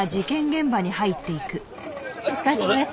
お疲れさまです。